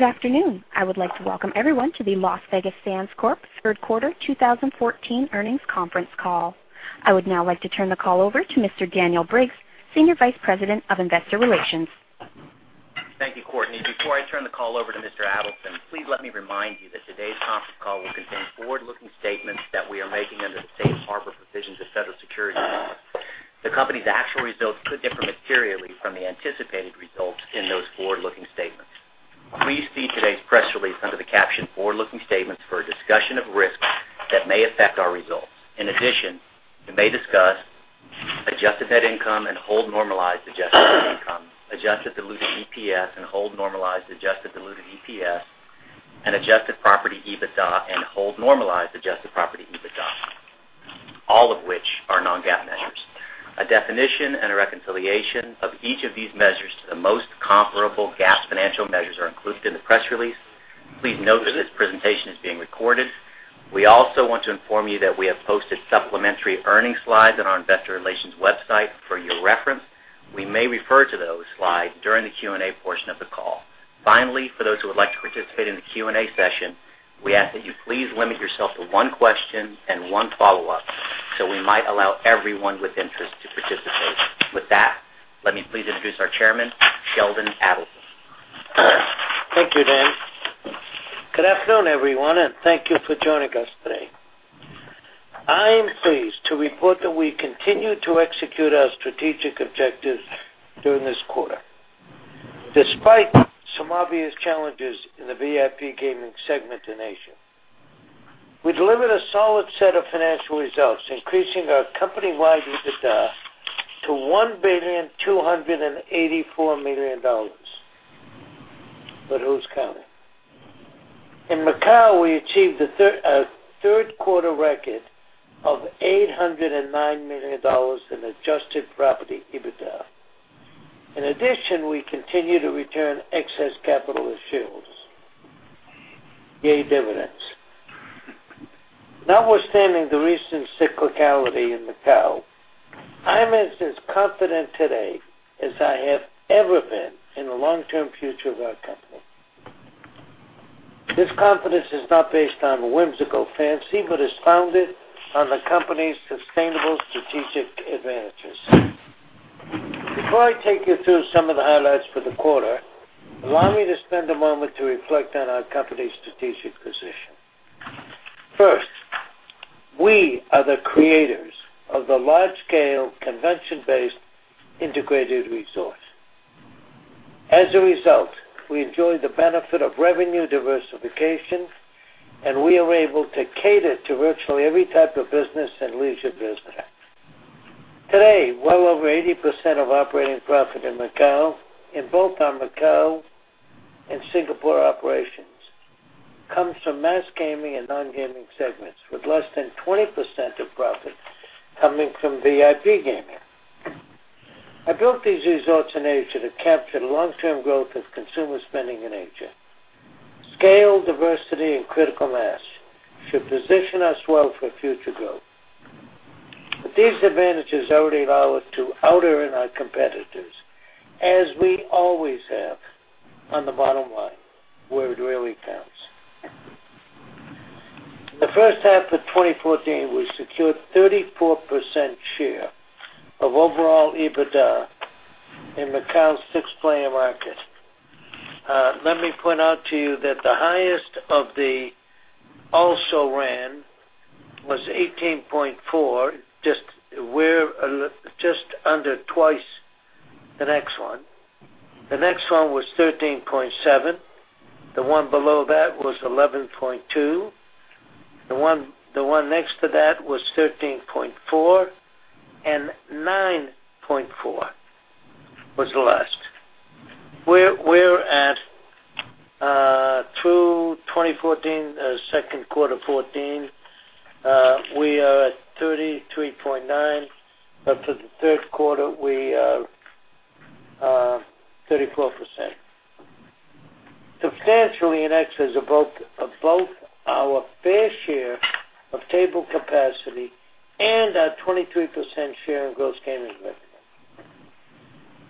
Good afternoon. I would like to welcome everyone to the Las Vegas Sands Corp. third quarter 2014 earnings conference call. I would now like to turn the call over to Mr. Daniel Briggs, Senior Vice President of Investor Relations. Thank you, Courtney. Before I turn the call over to Mr. Adelson, please let me remind you that today's conference call will contain forward-looking statements that we are making under the safe harbor provisions of federal securities laws. The company's actual results could differ materially from the anticipated results in those forward-looking statements. Please see today's press release under the caption forward-looking statements for a discussion of risks that may affect our results. In addition, we may discuss adjusted net income and hold-normalized adjusted net income, adjusted diluted EPS and hold-normalized adjusted diluted EPS, and adjusted property EBITDA and hold-normalized adjusted property EBITDA, all of which are non-GAAP measures. A definition and a reconciliation of each of these measures to the most comparable GAAP financial measures are included in the press release. Please note that this presentation is being recorded. We also want to inform you that we have posted supplementary earning slides on our investor relations website for your reference. We may refer to those slides during the Q&A portion of the call. Finally, for those who would like to participate in the Q&A session, we ask that you please limit yourself to one question and one follow-up so we might allow everyone with interest to participate. With that, let me please introduce our Chairman, Sheldon Adelson. Thank you, Dan. Good afternoon, everyone, and thank you for joining us today. I am pleased to report that we continue to execute our strategic objectives during this quarter. Despite some obvious challenges in the VIP gaming segment in Asia, we delivered a solid set of financial results, increasing our company-wide EBITDA to $1.284 billion. Who's counting? In Macau, we achieved a third-quarter record of $809 million in adjusted property EBITDA. In addition, we continue to return excess capital to shareholders. Yay, dividends. Notwithstanding the recent cyclicality in Macau, I am as confident today as I have ever been in the long-term future of our company. This confidence is not based on whimsical fancy, but is founded on the company's sustainable strategic advantages. Before I take you through some of the highlights for the quarter, allow me to spend a moment to reflect on our company's strategic position. First, we are the creators of the large-scale, convention-based integrated resort. As a result, we enjoy the benefit of revenue diversification, and we are able to cater to virtually every type of business and leisure visitor. Today, well over 80% of operating profit in Macau, in both our Macau and Singapore operations, comes from mass gaming and non-gaming segments, with less than 20% of profit coming from VIP gaming. I built these resorts in Asia to capture the long-term growth of consumer spending in Asia. Scale, diversity, and critical mass should position us well for future growth. These advantages already allow us to outearn our competitors, as we always have on the bottom line, where it really counts. The first half of 2014, we secured 34% share of overall EBITDA in Macau six-player market. Let me point out to you that the highest of the also-ran was 18.4, just under twice the next one. The next one was 13.7. The one below that was 11.2. The one next to that was 13.4. 9.4 was the last. We're at, through 2014, second quarter 2014, we are at 33.9. For the third quarter, we are 34%. Substantially in excess of both our fair share of table capacity and our 23% share in gross gaming revenue.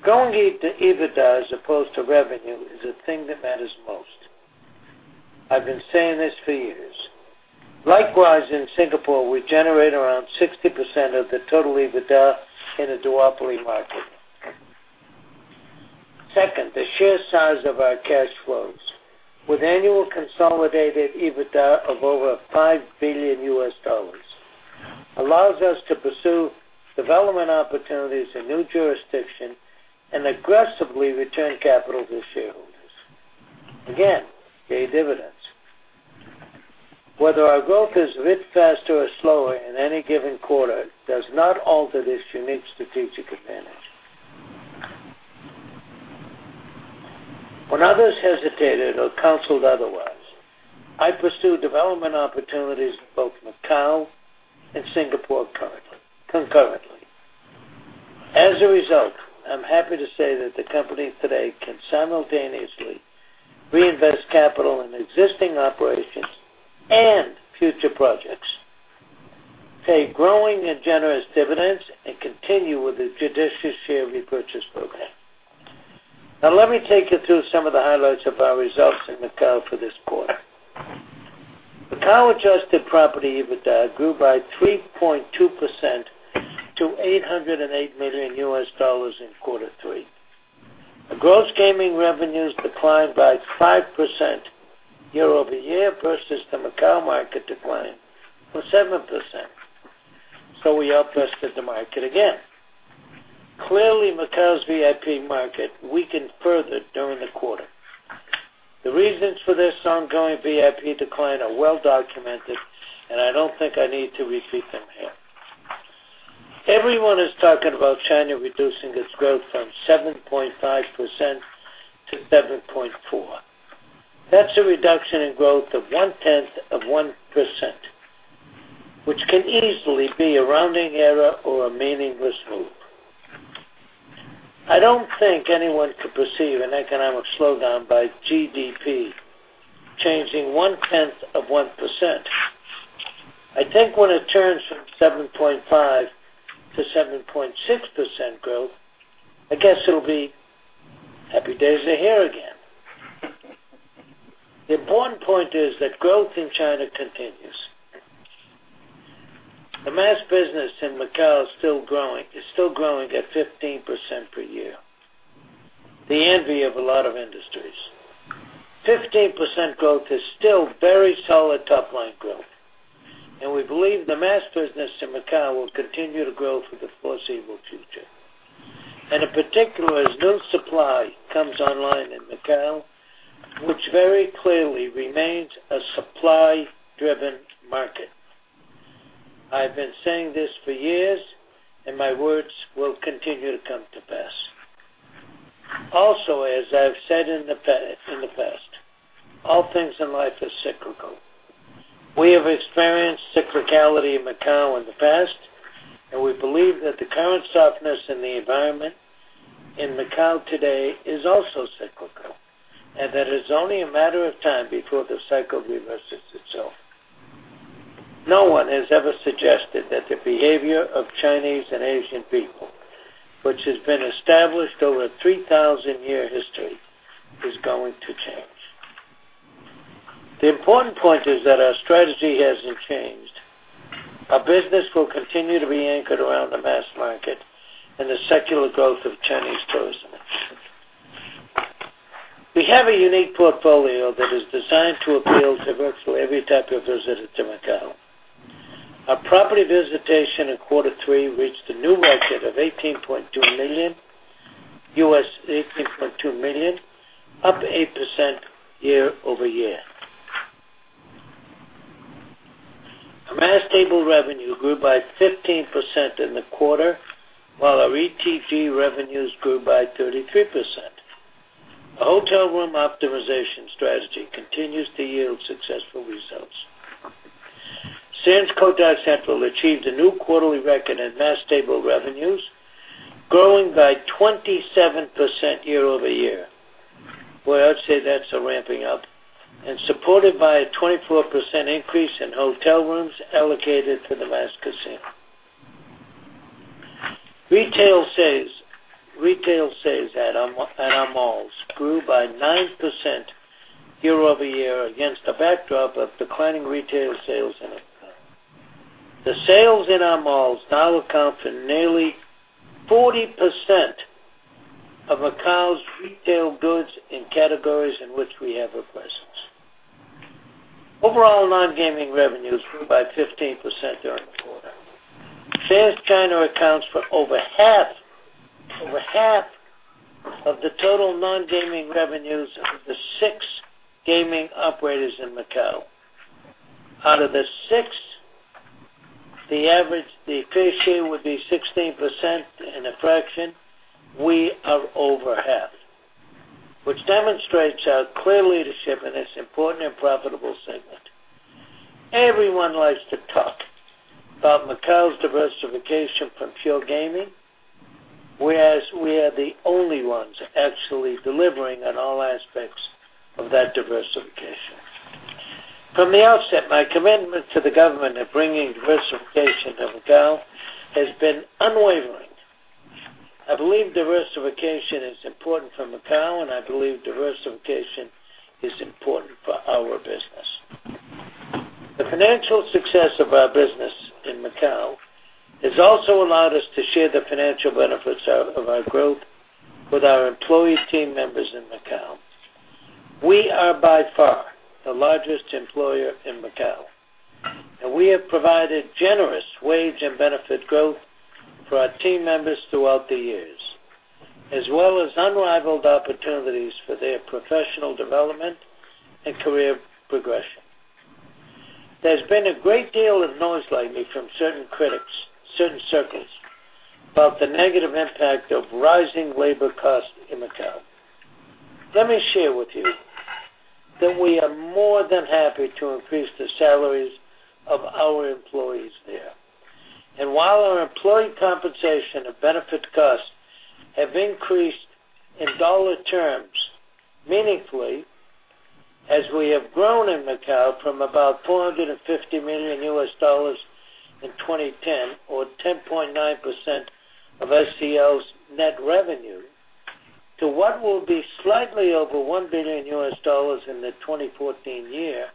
Going EBITDA as opposed to revenue is the thing that matters most. I've been saying this for years. Likewise, in Singapore, we generate around 60% of the total EBITDA in a duopoly market. Second, the sheer size of our cash flows with annual consolidated EBITDA of over $5 billion allows us to pursue development opportunities in new jurisdiction and aggressively return capital to shareholders. Again, pay dividends. Whether our growth is a bit faster or slower in any given quarter does not alter this unique strategic advantage. When others hesitated or counseled otherwise, I pursued development opportunities in both Macau and Singapore concurrently. As a result, I'm happy to say that the company today can simultaneously reinvest capital in existing operations and future projects. Pay growing and generous dividends and continue with the judicious share repurchase program. Let me take you through some of the highlights of our results in Macau for this quarter. Macau adjusted property EBITDA grew by 3.2% to $808 million in quarter three. Our gross gaming revenues declined by 5% year-over-year versus the Macau market decline for 7%. We outpaced the market again. Clearly, Macau's VIP market weakened further during the quarter. The reasons for this ongoing VIP decline are well documented. I don't think I need to repeat them here. Everyone is talking about China reducing its growth from 7.5% to 7.4%. That's a reduction in growth of one-tenth of 1%, which can easily be a rounding error or a meaningless move. I don't think anyone could perceive an economic slowdown by GDP changing one-tenth of 1%. I think when it turns from 7.5 to 7.6% growth, I guess it'll be happy days are here again. The important point is that growth in China continues. The mass business in Macau is still growing. It's still growing at 15% per year. The envy of a lot of industries. 15% growth is still very solid top-line growth. We believe the mass business in Macau will continue to grow for the foreseeable future. In particular, as new supply comes online in Macau, which very clearly remains a supply-driven market. I've been saying this for years, and my words will continue to come to pass. Also, as I've said in the past, all things in life are cyclical. We have experienced cyclicality in Macau in the past, and we believe that the current softness in the environment in Macau today is also cyclical, and that it's only a matter of time before the cycle reverses itself. No one has ever suggested that the behavior of Chinese and Asian people, which has been established over 3,000 year history, is going to change. The important point is that our strategy hasn't changed. Our business will continue to be anchored around the mass market and the secular growth of Chinese tourism. We have a unique portfolio that is designed to appeal to virtually every type of visitor to Macau. Our property visitation in quarter 3 reached a new record of 18.2 million, up 8% year-over-year. Our mass table revenue grew by 15% in the quarter, while our ETG revenues grew by 33%. Our hotel room optimization strategy continues to yield successful results. Sands Cotai Central achieved a new quarterly record in mass table revenues, growing by 27% year-over-year. Well, I'd say that's a ramping up, and supported by a 24% increase in hotel rooms allocated to the mass casino. Retail sales at our malls grew by 9% year-over-year against a backdrop of declining retail sales in Macau. The sales in our malls now account for nearly 40% of Macau's retail goods in categories in which we have a presence. Overall, non-gaming revenues grew by 15% during the quarter. Sands China accounts for over half of the total non-gaming revenues of the six gaming operators in Macau. Out of the six, the average, the fair share, would be 16% and a fraction. We are over half, which demonstrates our clear leadership in this important and profitable segment. Everyone likes to talk about Macau's diversification from pure gaming, whereas we are the only ones actually delivering on all aspects of that diversification. From the outset, my commitment to the government of bringing diversification to Macau has been unwavering. I believe diversification is important for Macau, and I believe diversification is important for our business. The financial success of our business in Macau has also allowed us to share the financial benefits of our growth with our employee team members in Macau. We are by far the largest employer in Macau, and we have provided generous wage and benefit growth for our team members throughout the years, as well as unrivaled opportunities for their professional development and career progression. There's been a great deal of noise lately from certain critics, certain circles, about the negative impact of rising labor costs in Macau. Let me share with you that we are more than happy to increase the salaries of our employees there. While our employee compensation and benefit costs have increased in dollar terms meaningfully as we have grown in Macau from about $450 million in 2010, or 10.9% of SCL's net revenue, to what will be slightly over $1 billion in the 2014 year,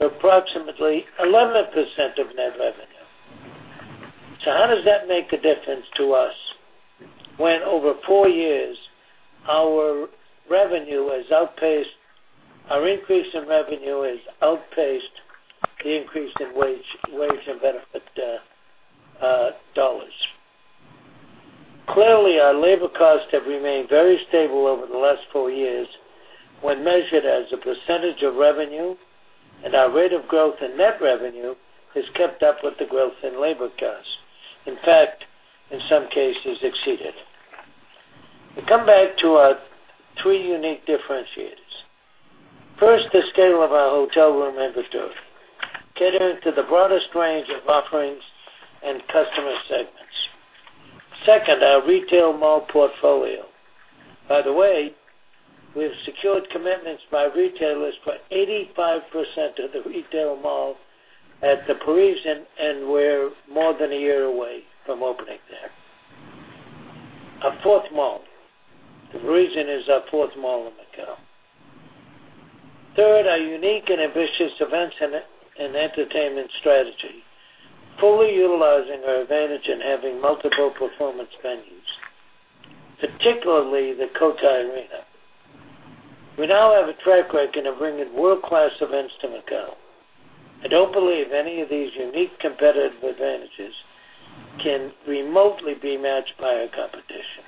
approximately 11% of net revenue. How does that make a difference to us when, over 4 years, our increase in revenue has outpaced the increase in wage and benefit dollars? Clearly, our labor costs have remained very stable over the last 4 years when measured as a percentage of revenue, and our rate of growth in net revenue has kept up with the growth in labor cost. In fact, in some cases, exceeded. We come back to our three unique differentiators. First, the scale of our hotel room inventory, catering to the broadest range of offerings and customer segments. Second, our retail mall portfolio. By the way, we've secured commitments by retailers for 85% of the retail mall at The Parisian Macao, and we're more than a year away from opening there. Our fourth mall. The Parisian Macao is our fourth mall in Macau. Third, our unique and ambitious events and entertainment strategy, fully utilizing our advantage in having multiple performance venues, particularly the Cotai Arena. We now have a track record of bringing world-class events to Macau. I don't believe any of these unique competitive advantages can remotely be matched by our competition,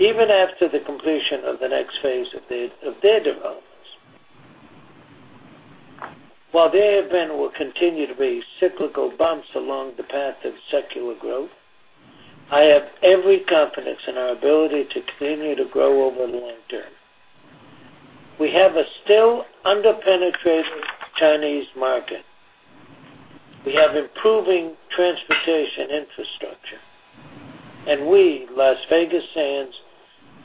even after the completion of the next phase of their developments. While there have been, and will continue to be, cyclical bumps along the path of secular growth, I have every confidence in our ability to continue to grow over the long term. We have a still under-penetrated Chinese market. We have improving transportation infrastructure. And we, Las Vegas Sands,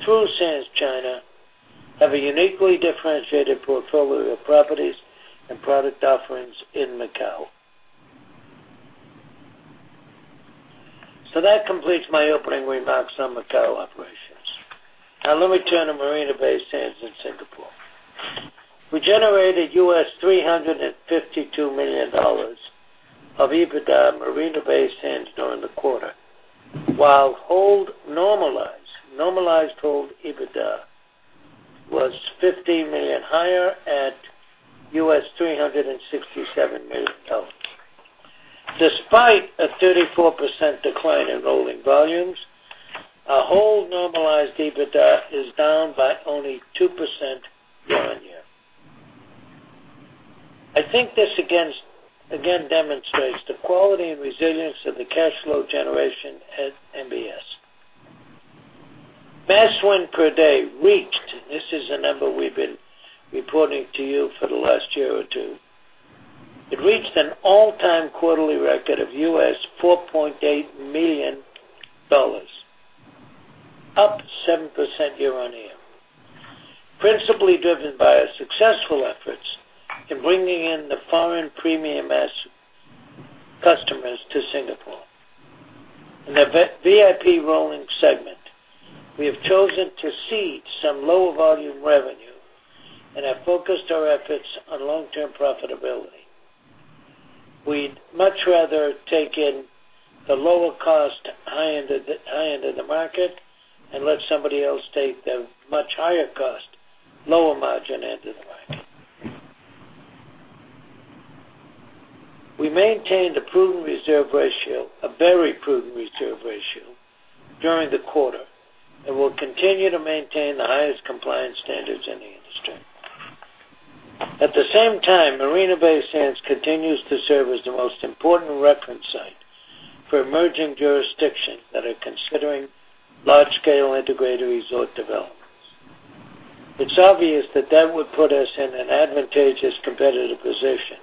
through Sands China, have a uniquely differentiated portfolio of properties and product offerings in Macau. That completes my opening remarks on Macau operations. Now let me turn to Marina Bay Sands in Singapore. We generated $352 million of EBITDA at Marina Bay Sands during the quarter, while hold-normalized EBITDA was $50 million higher at $367 million. Despite a 34% decline in rolling volumes, our hold-normalized EBITDA is down by only 2% year-on-year. I think this again demonstrates the quality and resilience of the cash flow generation at MBS. Mass win per day reached, and this is a number we've been reporting to you for the last year or 2. It reached an all-time quarterly record of $4.8 million, up 7% year-on-year, principally driven by our successful efforts in bringing in the foreign premium mass customers to Singapore. In the VIP rolling segment, we have chosen to cede some lower-volume revenue and have focused our efforts on long-term profitability. We'd much rather take in the lower cost, high end of the market and let somebody else take the much higher cost, lower margin end of the market. We maintained a very prudent reserve ratio during the quarter and will continue to maintain the highest compliance standards in the industry. At the same time, Marina Bay Sands continues to serve as the most important reference site for emerging jurisdictions that are considering large-scale integrated resort developments. It's obvious that that would put us in an advantageous competitive position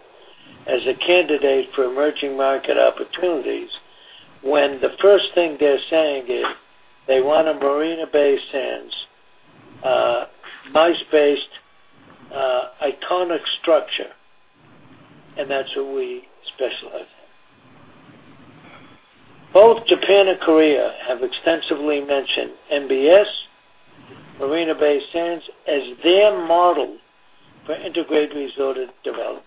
as a candidate for emerging market opportunities when the first thing they're saying is they want a Marina Bay Sands MICE-based, iconic structure, and that's what we specialize in. Both Japan and Korea have extensively mentioned MBS, Marina Bay Sands, as their model for integrated resort development.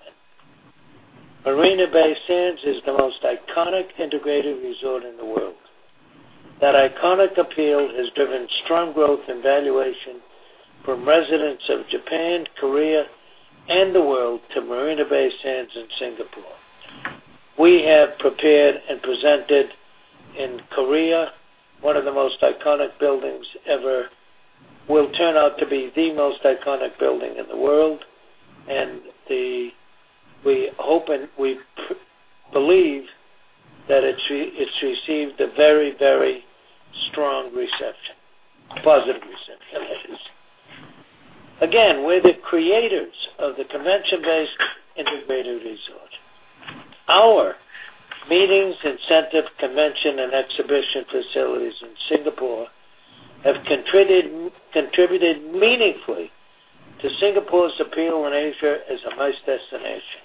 Marina Bay Sands is the most iconic integrated resort in the world. That iconic appeal has driven strong growth and valuation from residents of Japan, Korea, and the world to Marina Bay Sands in Singapore. We have prepared and presented in Korea one of the most iconic buildings ever. Will turn out to be the most iconic building in the world, and we believe that it's received a very strong, positive reception. Again, we're the creators of the convention-based integrated resort. Our meetings, incentive convention, and exhibition facilities in Singapore have contributed meaningfully to Singapore's appeal in Asia as a MICE destination.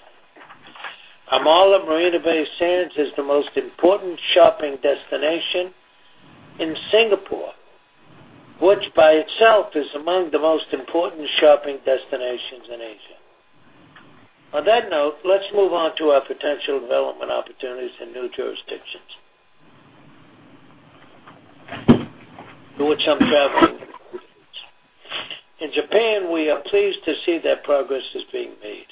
Our mall at Marina Bay Sands is the most important shopping destination in Singapore, which by itself is among the most important shopping destinations in Asia. On that note, let's move on to our potential development opportunities in new jurisdictions. To which I'm traveling. In Japan, we are pleased to see that progress is being made.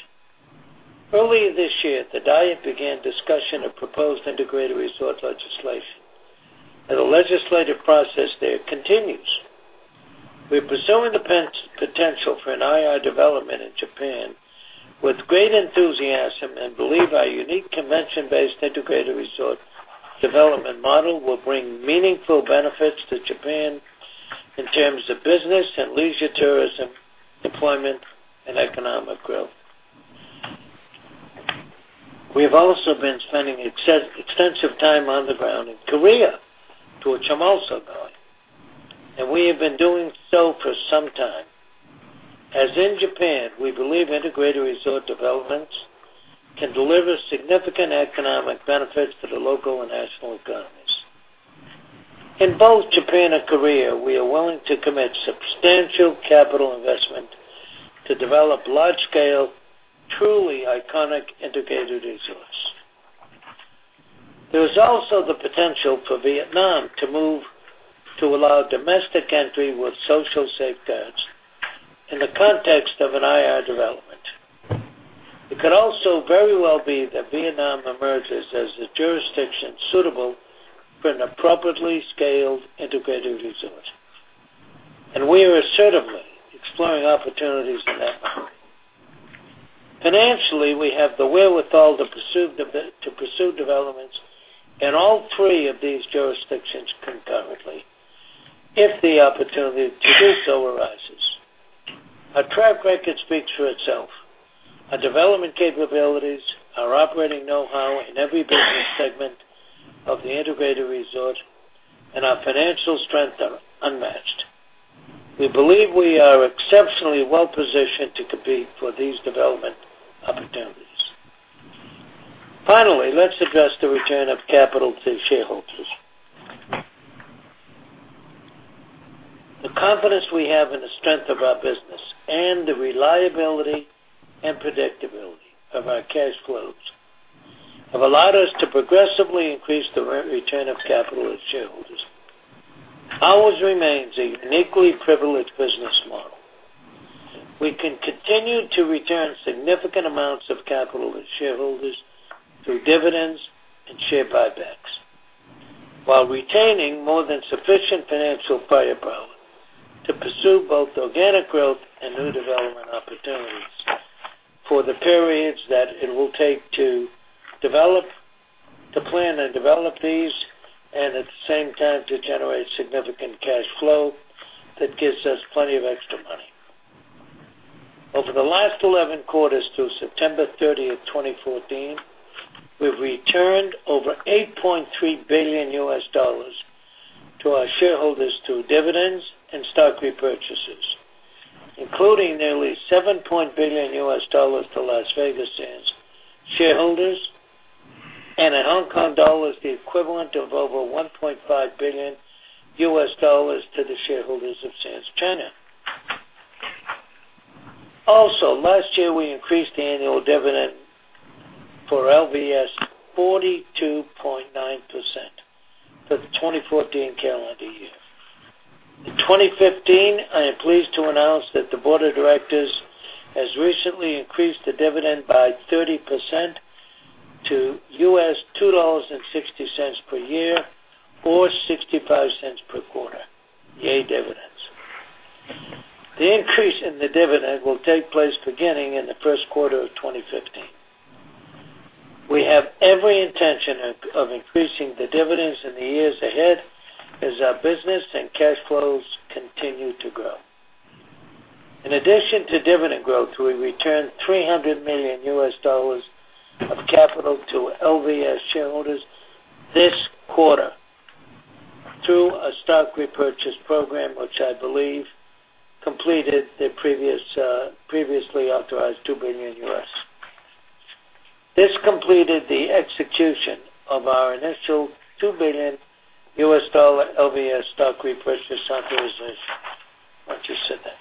Early this year, the Diet began discussion of proposed integrated resort legislation. The legislative process there continues. We're pursuing the potential for an IR development in Japan with great enthusiasm and believe our unique convention-based integrated resort development model will bring meaningful benefits to Japan in terms of business and leisure, tourism, deployment, and economic growth. We have also been spending extensive time on the ground in Korea, to which I'm also going. We have been doing so for some time. As in Japan, we believe integrated resort developments can deliver significant economic benefits for the local and national economies. In both Japan and Korea, we are willing to commit substantial capital investment to develop large-scale, truly iconic integrated resorts. There is also the potential for Vietnam to allow domestic entry with social safeguards in the context of an IR development. It could also very well be that Vietnam emerges as a jurisdiction suitable for an appropriately scaled integrated resort. We are assertively exploring opportunities in that market. Financially, we have the wherewithal to pursue developments in all three of these jurisdictions concurrently, if the opportunity to do so arises. Our track record speaks for itself. Our development capabilities, our operating know-how in every business segment of the integrated resort, and our financial strength are unmatched. We believe we are exceptionally well-positioned to compete for these development opportunities. Finally, let's address the return of capital to shareholders. The confidence we have in the strength of our business and the reliability and predictability of our cash flows have allowed us to progressively increase the return of capital to shareholders. Ours remains a uniquely privileged business model. We can continue to return significant amounts of capital to shareholders through dividends and share buybacks while retaining more than sufficient financial firepower to pursue both organic growth and new development opportunities for the periods that it will take to plan and develop these. At the same time, to generate significant cash flow that gives us plenty of extra money. Over the last 11 quarters through September 30th, 2014, we've returned over $8.3 billion to our shareholders through dividends and stock repurchases, including nearly $7 billion to Las Vegas Sands shareholders and in HKD, the equivalent of over $1.5 billion to the shareholders of Sands China. Last year, we increased the annual dividend for LVS 42.9% for the 2014 calendar year. In 2015, I am pleased to announce that the board of directors has recently increased the dividend by 30% to $2.60 per year or $0.65 per quarter. Yay, dividends. The increase in the dividend will take place beginning in the first quarter of 2015. We have every intention of increasing the dividends in the years ahead as our business and cash flows continue to grow. In addition to dividend growth, we returned $300 million USD of capital to LVS shareholders this quarter through a stock repurchase program, which I believe completed the previously authorized $2 billion USD. This completed the execution of our initial $2 billion US LVS stock repurchase authorization. I just said that.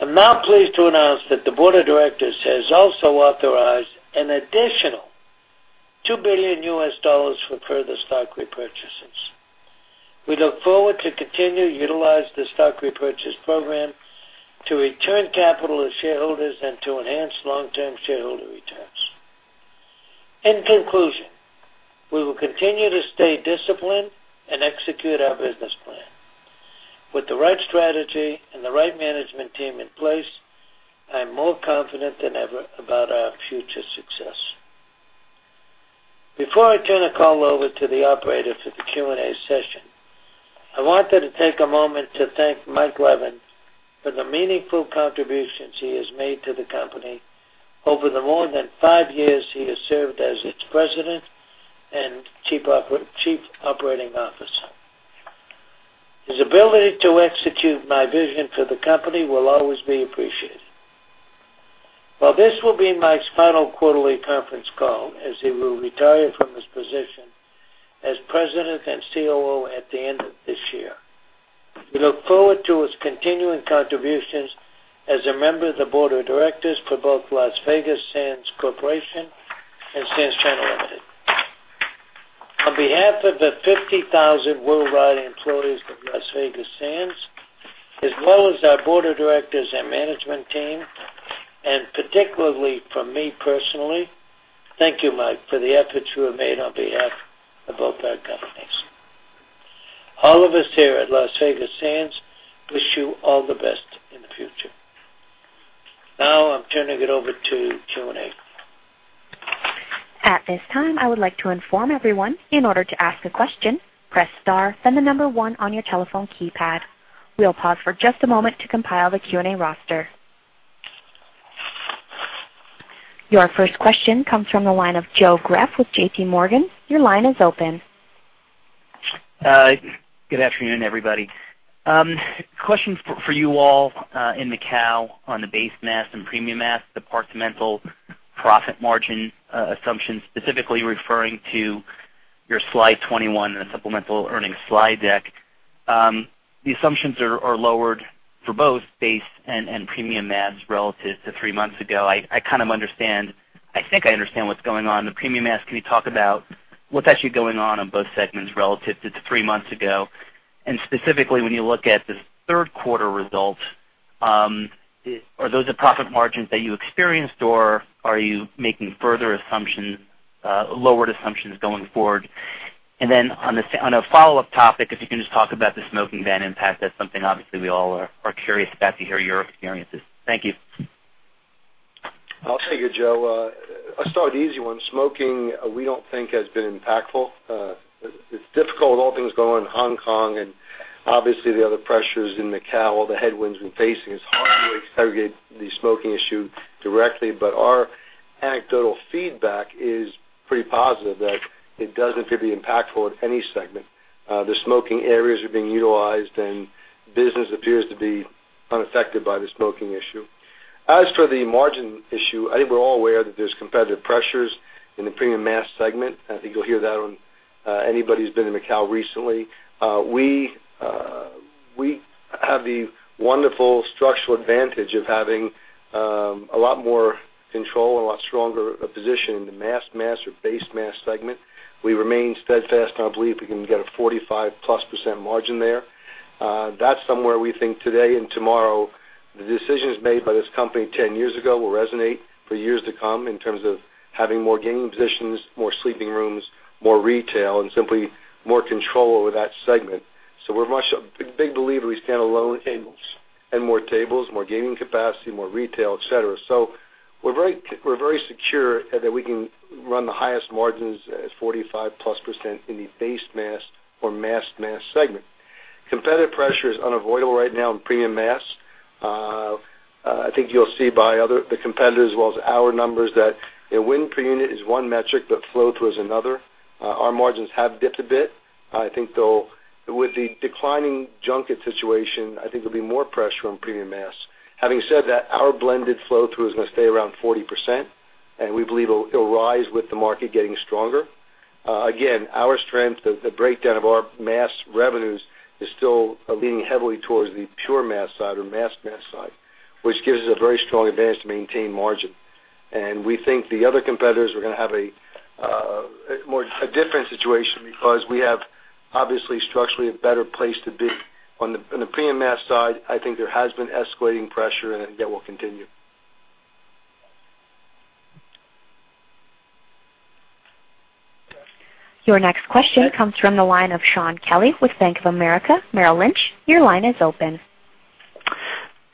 I am now pleased to announce that the board of directors has also authorized an additional $2 billion USD for further stock repurchases. We look forward to continue to utilize the stock repurchase program to return capital to shareholders and to enhance long-term shareholder returns. In conclusion, we will continue to stay disciplined and execute our business plan. With the right strategy and the right management team in place, I am more confident than ever about our future success. Before I turn the call over to the operator for the Q&A session, I wanted to take a moment to thank Mike Leven for the meaningful contributions he has made to the company over the more than five years he has served as its President and Chief Operating Officer. His ability to execute my vision for the company will always be appreciated. While this will be Mike's final quarterly conference call, as he will retire from his position as President and COO at the end of this year, we look forward to his continuing contributions as a member of the Board of Directors for both Las Vegas Sands Corporation and Sands China Limited. On behalf of the 50,000 worldwide employees of Las Vegas Sands, as well as our board of directors and management team, and particularly from me personally, thank you, Mike, for the efforts you have made on behalf of both our companies. All of us here at Las Vegas Sands wish you all the best in the future. Now I am turning it over to Q&A. At this time, I would like to inform everyone, in order to ask a question, press star, then the number one on your telephone keypad. We will pause for just a moment to compile the Q&A roster. Your first question comes from the line of Joseph Greff with J.P. Morgan. Your line is open. Good afternoon, everybody. Question for you all in Macau on the base mass and premium mass departmental profit margin assumptions, specifically referring to your slide 21 in the supplemental earnings slide deck. The assumptions are lowered for both base and premium mass relative to three months ago. I think I understand what's going on. The premium mass, can you talk about what's actually going on both segments relative to three months ago? Specifically, when you look at the third quarter results, are those the profit margins that you experienced, or are you making further lowered assumptions going forward? On a follow-up topic, if you can just talk about the smoking ban impact. That's something obviously we all are curious about to hear your experiences. Thank you. I'll take it, Joe. I'll start with the easy one. Smoking, we don't think has been impactful. It's difficult with all things going on in Hong Kong and obviously the other pressures in Macau, all the headwinds we're facing. It's hard to interrogate the smoking issue directly, but our anecdotal feedback is pretty positive that it doesn't appear to be impactful in any segment. The smoking areas are being utilized, business appears to be unaffected by the smoking issue. As for the margin issue, I think we're all aware that there's competitive pressures in the premium mass segment. I think you'll hear that on anybody who's been to Macau recently. We have the wonderful structural advantage of having a lot more control, a lot stronger a position in the mass or base mass segment. We remain steadfast in our belief we can get a 45-plus % margin there. That's somewhere we think today and tomorrow, the decisions made by this company 10 years ago will resonate for years to come in terms of having more gaming positions, more sleeping rooms, more retail, and simply more control over that segment. We're a big believer we stand alone in tables and more tables, more gaming capacity, more retail, et cetera. We're very secure that we can run the highest margins at 45-plus % in the base mass or mass segment. Competitive pressure is unavoidable right now in premium mass. I think you'll see by the competitors as well as our numbers that win per unit is one metric, flow through is another. Our margins have dipped a bit. With the declining junket situation, I think there'll be more pressure on premium mass. Having said that, our blended flow through is going to stay around 40%, we believe it'll rise with the market getting stronger. Again, our strength, the breakdown of our mass revenues is still leaning heavily towards the pure mass side or mass side, which gives us a very strong advantage to maintain margin. We think the other competitors are going to have a different situation because we have obviously structurally a better place to be. On the premium mass side, I think there has been escalating pressure, and that will continue. Your next question comes from the line of Shaun Kelley with Bank of America Merrill Lynch. Your line is open.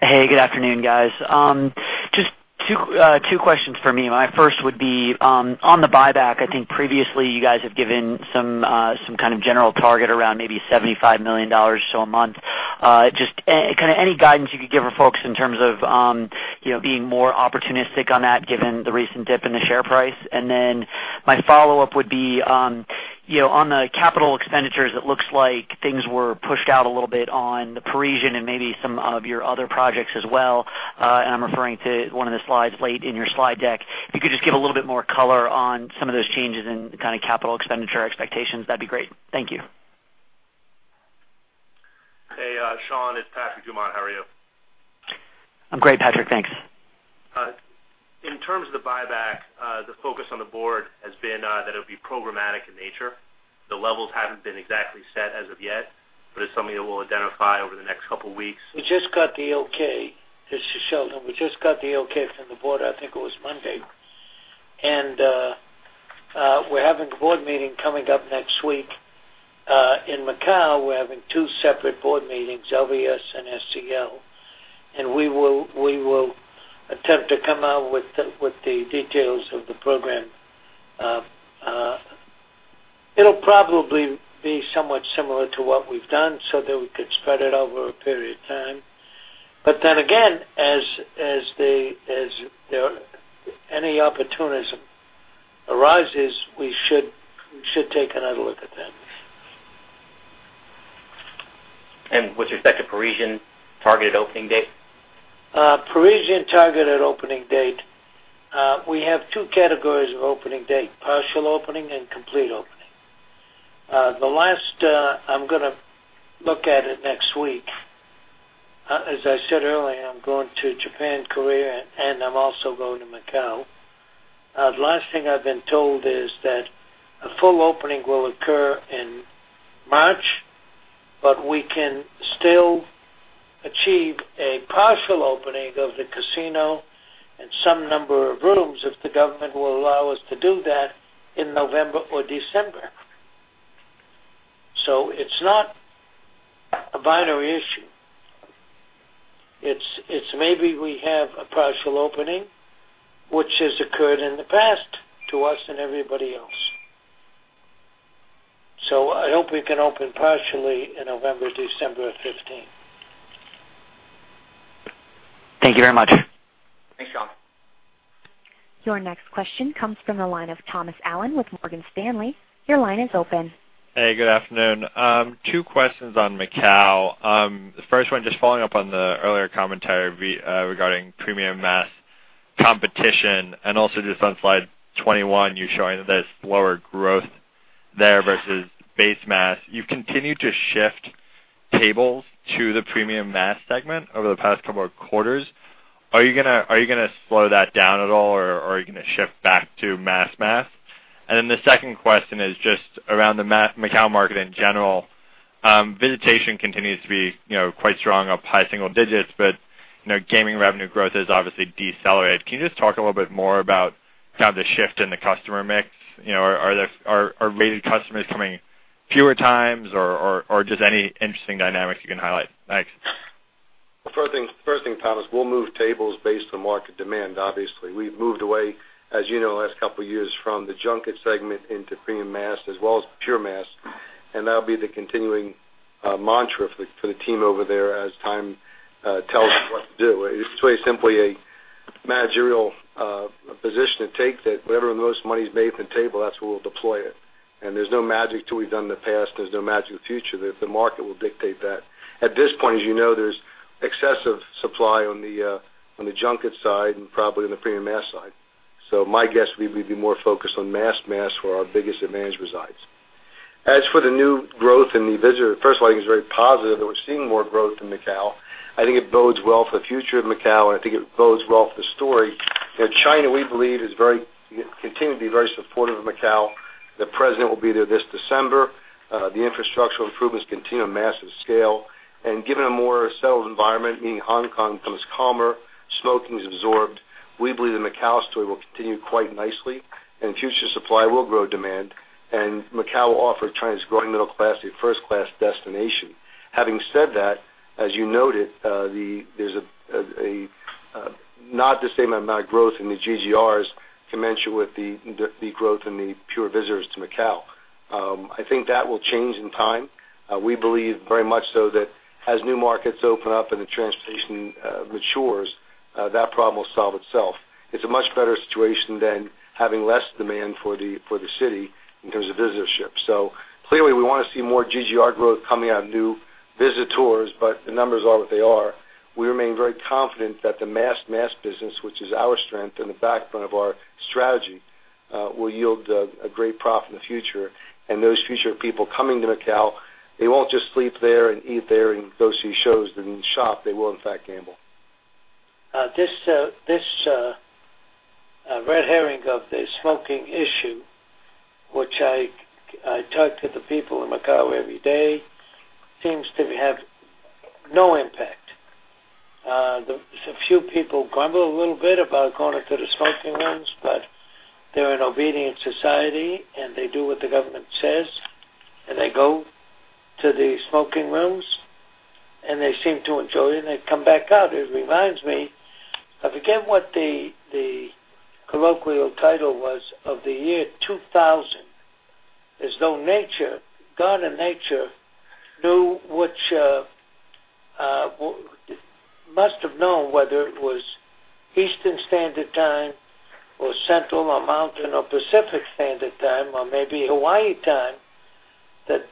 Hey, good afternoon, guys. Just two questions for me. My first would be on the buyback. I think previously you guys have given some kind of general target around maybe $75 million or so a month. Just any guidance you could give our folks in terms of being more opportunistic on that given the recent dip in the share price? Then my follow-up would be on the capital expenditures, it looks like things were pushed out a little bit on the Parisian and maybe some of your other projects as well. I'm referring to one of the slides late in your slide deck. If you could just give a little bit more color on some of those changes in capital expenditure expectations, that'd be great. Thank you. Hey, Shaun, it's Patrick Dumont. How are you? I'm great, Patrick. Thanks. In terms of the buyback, the focus on the board has been that it would be programmatic in nature. The levels haven't been exactly set as of yet, but it's something that we'll identify over the next couple of weeks. We just got the okay. This is Sheldon. We just got the okay from the board, I think it was Monday. We're having a board meeting coming up next week in Macau, we're having two separate board meetings, LVS and SCL, and we will attempt to come out with the details of the program. It'll probably be somewhat similar to what we've done so that we could spread it over a period of time. As any opportunism arises, we should take another look at that. With respect to Parisian targeted opening date? Parisian targeted opening date, we have 2 categories of opening date, partial opening and complete opening. I'm going to look at it next week. As I said earlier, I'm going to Japan, Korea, and I'm also going to Macau. Last thing I've been told is that a full opening will occur in March, we can still achieve a partial opening of the casino and some number of rooms if the government will allow us to do that in November or December. It's not a binary issue. It's maybe we have a partial opening, which has occurred in the past to us and everybody else. I hope we can open partially in November, December 15. Thank you very much. Thanks, Shaun. Your next question comes from the line of Thomas Allen with Morgan Stanley. Your line is open. Hey, good afternoon. Two questions on Macau. The first one, just following up on the earlier commentary regarding premium mass competition, also just on slide 21, you're showing this lower growth there versus base mass. You've continued to shift tables to the premium mass segment over the past couple of quarters. Are you going to slow that down at all, or are you going to shift back to mass? The second question is just around the Macau market in general. Visitation continues to be quite strong up high single digits, but gaming revenue growth has obviously decelerated. Can you just talk a little bit more about kind of the shift in the customer mix? Are rated customers coming fewer times, or just any interesting dynamics you can highlight? Thanks. First thing, Thomas, we'll move tables based on market demand, obviously. We've moved away, as you know, the last couple of years from the junket segment into premium mass as well as pure mass, and that'll be the continuing mantra for the team over there as time tells us what to do. It's really simply a managerial position to take that wherever the most money is made at the table, that's where we'll deploy it. There's no magic to what we've done in the past. There's no magic in the future. The market will dictate that. At this point, as you know, there's excessive supply on the junket side and probably on the premium mass side. My guess would be to be more focused on mass for where our biggest advantage resides. As for the new growth in the visitor, first of all, I think it's very positive that we're seeing more growth in Macau. I think it bodes well for the future of Macau, and I think it bodes well for the story. China, we believe, continue to be very supportive of Macau. The president will be there this December. The infrastructural improvements continue on massive scale. Given a more settled environment, meaning Hong Kong becomes calmer, smoking is absorbed. We believe the Macau story will continue quite nicely, and future supply will grow demand, and Macau will offer China's growing middle class a first-class destination. Having said that, as you noted, there's not the same amount of growth in the GGRs to mention with the growth in the pure visitors to Macau. I think that will change in time. We believe very much so that as new markets open up and the transportation matures, that problem will solve itself. It's a much better situation than having less demand for the city in terms of visitorship. Clearly, we want to see more GGR growth coming out of new visitors, but the numbers are what they are. We remain very confident that the mass business, which is our strength and the backbone of our strategy, will yield a great profit in the future. Those future people coming to Macau, they won't just sleep there and eat there and go see shows and shop. They will, in fact, gamble. This red herring of the smoking issue, which I talk to the people in Macau every day, seems to have no impact. A few people grumble a little bit about going to the smoking rooms, but they're an obedient society, and they do what the government says, and they go to the smoking rooms, and they seem to enjoy it, and they come back out. It reminds me, I forget what the colloquial title was of the year 2000. As though God and nature must have known whether it was Eastern Standard Time or Central or Mountain or Pacific Standard Time or maybe Hawaii time,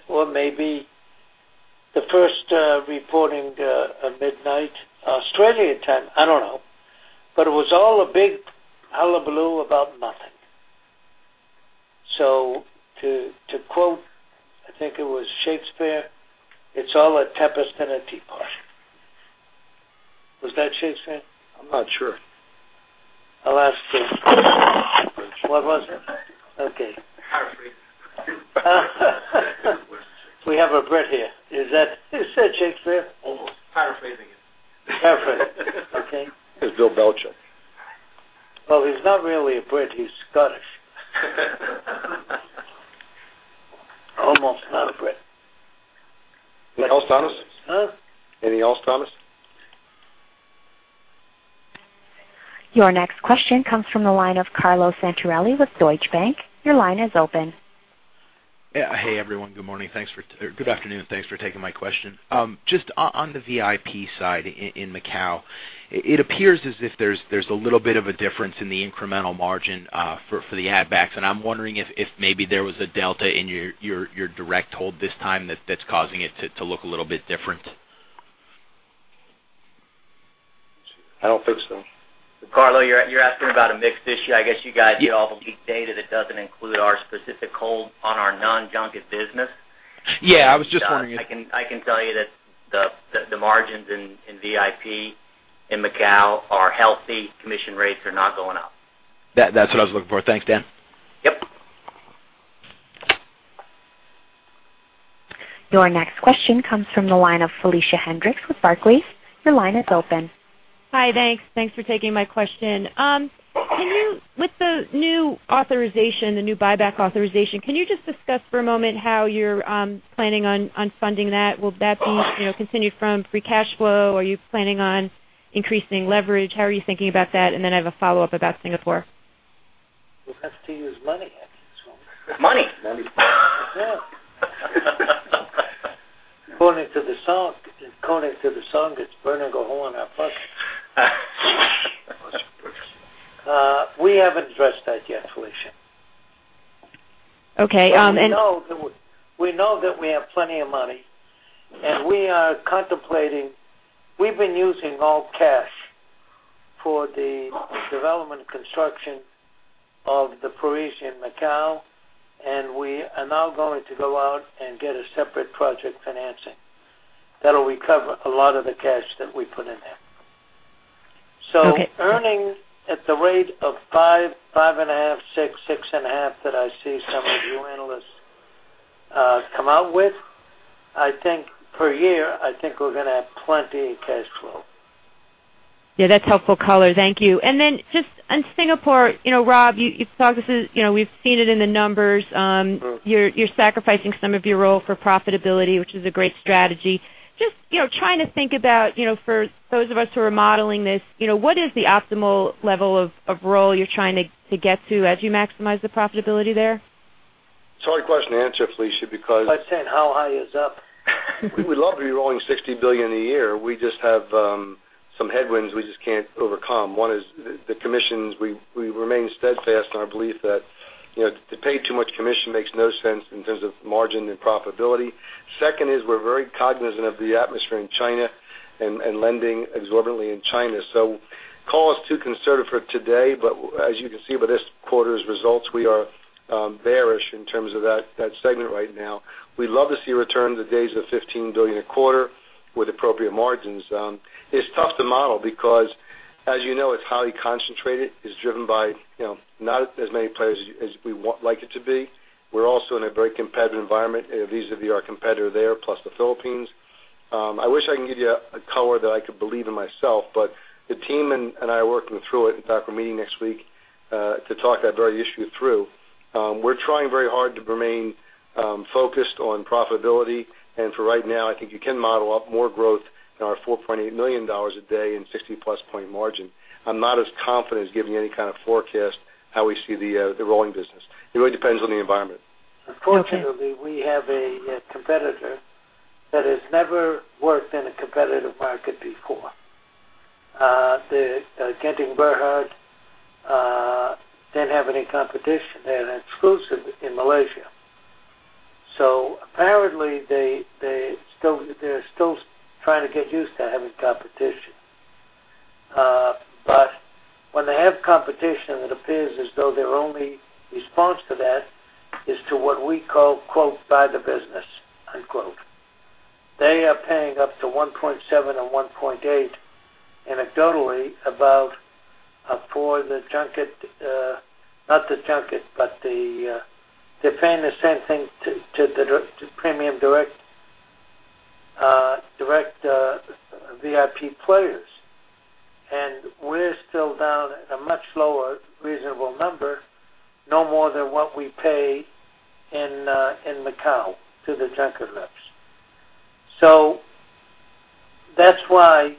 or maybe the first reporting midnight Australia time. I don't know. It was all a big hullabaloo about nothing. To quote, I think it was Shakespeare, "It's all a tempest in a teapot." Was that Shakespeare? I'm not sure. What was it? Okay. Paraphrasing. We have a Brit here. Is that Shakespeare? Almost. Paraphrasing it. Paraphrasing. Okay. There's William Belcher. Well, he's not really a Brit, he's Scottish. Almost not a Brit. Anything else, Thomas? Huh? Anything else, Thomas? Your next question comes from the line of Carlo Santarelli with Deutsche Bank. Your line is open. Hey, everyone. Good morning, good afternoon. Thanks for taking my question. Just on the VIP side in Macau, it appears as if there's a little bit of a difference in the incremental margin for the add backs, and I'm wondering if maybe there was a delta in your direct hold this time that's causing it to look a little bit different. I don't think so. Carlo, you're asking about a mix issue. I guess you guys get all the leaked data that doesn't include our specific hold on our non-junket business. Yeah, I was just wondering. I can tell you that the margins in VIP in Macau are healthy. Commission rates are not going up. That's what I was looking for. Thanks, Dan. Yep. Your next question comes from the line of Felicia Hendrix with Barclays. Your line is open. Hi, thanks. Thanks for taking my question. With the new authorization, the new buyback authorization, can you just discuss for a moment how you're planning on funding that? Will that be continued from free cash flow? Are you planning on increasing leverage? How are you thinking about that? I have a follow-up about Singapore. We'll have to use money, I think so. Money. Money. According to the song, it's burning a hole in our pocket. We haven't addressed that yet, Felicia. Okay. We know that we have plenty of money, and we've been using all cash for the development and construction of The Parisian Macao, and we are now going to go out and get a separate project financing that'll recover a lot of the cash that we put in there. Okay. Earnings at the rate of five and a half, six and a half that I see some of you analysts come out with, I think per year, I think we're going to have plenty of cash flow. That's helpful color. Thank you. Just on Singapore, Rob, we've seen it in the numbers. You're sacrificing some of your roll for profitability, which is a great strategy. Just trying to think about for those of us who are modeling this, what is the optimal level of roll you're trying to get to as you maximize the profitability there? It's a hard question to answer, Felicia. Like saying, how high is up? We would love to be rolling $60 billion a year. We just have some headwinds we just can't overcome. One is the commissions. We remain steadfast in our belief that to pay too much commission makes no sense in terms of margin and profitability. Second is we're very cognizant of the atmosphere in China and lending exorbitantly in China. Call us too conservative for today, but as you can see by this quarter's results, we are bearish in terms of that segment right now. We'd love to see a return to the days of $15 billion a quarter with appropriate margins. It's tough to model because, as you know, it's highly concentrated. It's driven by not as many players as we would like it to be. We're also in a very competitive environment vis-à-vis our competitor there, plus the Philippines. I wish I could give you a color that I could believe in myself, the team and I are working through it. In fact, we're meeting next week to talk that very issue through. We're trying very hard to remain focused on profitability. For right now, I think you can model up more growth in our $4.8 million a day and 60-plus point margin. I'm not as confident as giving you any kind of forecast how we see the rolling business. It really depends on the environment. Okay. Unfortunately, we have a competitor that has never worked in a competitive market before. Genting Berhad didn't have any competition. They had an exclusive in Malaysia. Apparently, they're still trying to get used to having competition. When they have competition, it appears as though their only response to that is to what we call, quote, "Buy the business," unquote. They are paying up to 1.7 or 1.8 anecdotally about for the junket, but they're paying the same thing to premium direct VIP players. We're still down at a much lower, reasonable number, no more than what we pay in Macau to the junket operators. That's why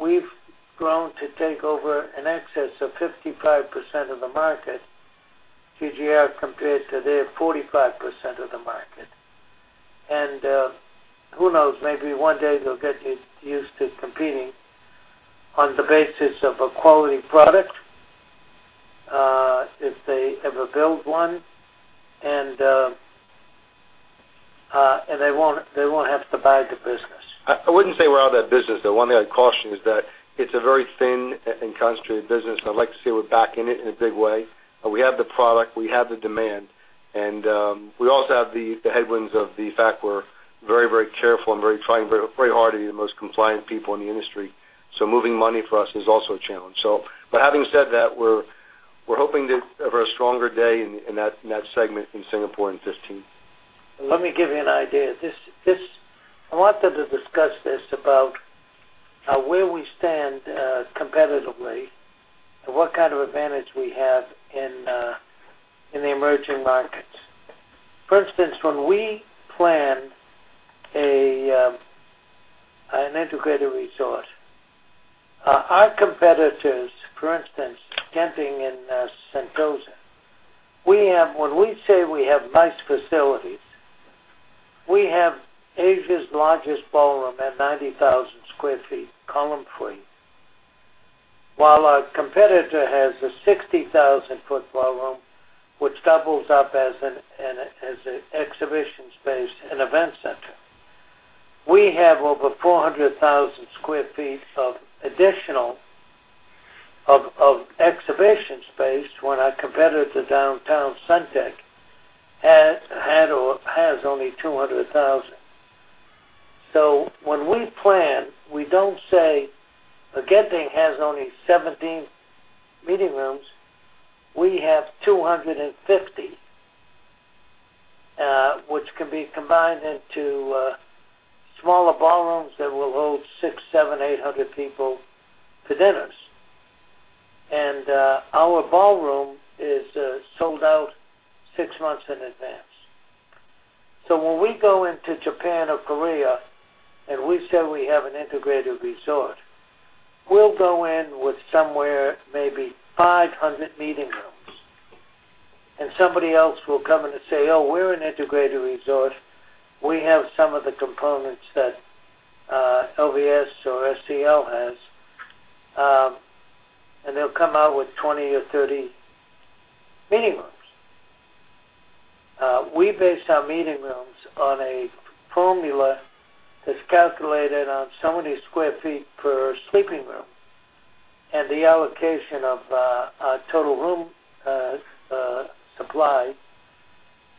we've grown to take over in excess of 55% of the market GGR compared to their 45% of the market. Who knows, maybe one day they'll get used to competing on the basis of a quality product if they ever build one. They won't have to buy the business. I wouldn't say we're out of that business, though. One thing I'd caution is that it's a very thin and concentrated business, and I'd like to say we're back in it in a big way. We have the product, we have the demand, and we also have the headwinds of the fact we're very, very careful and trying very hard to be the most compliant people in the industry. Moving money for us is also a challenge. Having said that, we're hoping to have a stronger day in that segment in Singapore in 2015. Let me give you an idea. I wanted to discuss this about where we stand competitively and what kind of advantage we have in the emerging markets. For instance, when we plan an integrated resort, our competitors, for instance, Genting in Sentosa. When we say we have MICE facilities, we have Asia's largest ballroom at 90,000 sq ft, column free. While our competitor has a 60,000 sq ft ballroom, which doubles up as an exhibition space and event center. We have over 400,000 sq ft of additional exhibition space when our competitor downtown, Suntec, had or has only 200,000. When we plan, we don't say, "Genting has only 17 meeting rooms." We have 250, which can be combined into smaller ballrooms that will hold 600, 700, 800 people for dinners. Our ballroom is sold out 6 months in advance. When we go into Japan or Korea and we say we have an integrated resort, we'll go in with somewhere maybe 500 meeting rooms. Somebody else will come in and say, "Oh, we're an integrated resort. We have some of the components that LVS or SCL has." They'll come out with 20 or 30 meeting rooms. We base our meeting rooms on a formula that's calculated on so many sq ft per sleeping room, and the allocation of our total room supply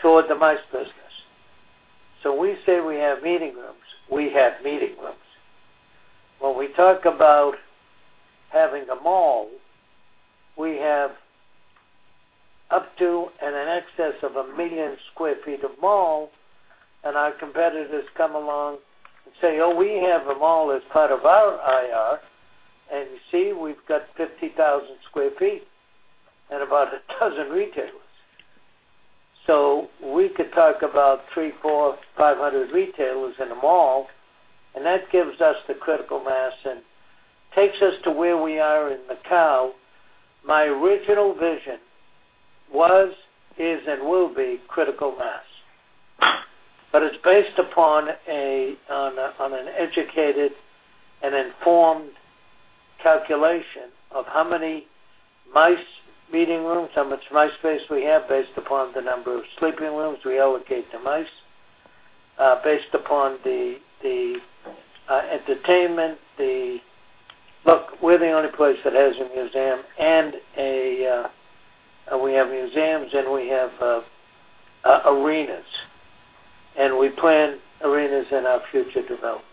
toward the MICE business. We say we have meeting rooms, we have meeting rooms. When we talk about having a mall, we have up to and in excess of a million sq ft of mall, and our competitors come along and say, "Oh, we have a mall as part of our IR, and you see, we've got 50,000 sq ft and about a dozen retailers." We could talk about 3, 4, 500 retailers in a mall, and that gives us the critical mass and takes us to where we are in Macau. My original vision was, is, and will be critical mass. It's based upon an educated and informed calculation of how many MICE meeting rooms, how much MICE space we have based upon the number of sleeping rooms we allocate to MICE, based upon the entertainment. Look, we're the only place that has a museum, and we have museums, and we have arenas, and we plan arenas in our future developments.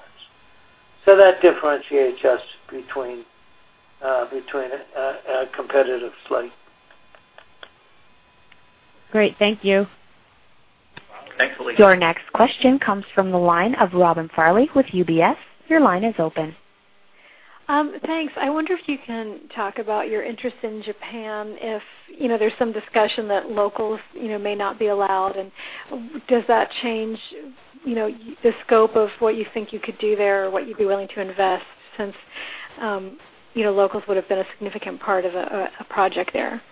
That differentiates us competitively. Great. Thank you. Thanks, Felicia. Your next question comes from the line of Robin Farley with UBS. Your line is open. Thanks. I wonder if you can talk about your interest in Japan. There's some discussion that locals may not be allowed. Does that change the scope of what you think you could do there or what you'd be willing to invest, since locals would have been a significant part of a project there?